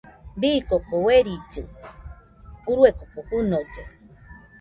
Bii koko uerilli urue koko fɨnolle.